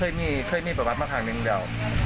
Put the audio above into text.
เคยมีบรรทมีภาพมากทางกันได้